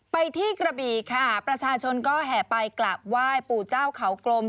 ไปที่กระบีค่ะประชาชนก็แห่ไปกลับไหว้ปู่เจ้าเขากลม